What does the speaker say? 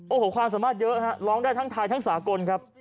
โอ้โหความสามารถเยอะฮะร้องได้ทั้งไทยทั้งสากลครับ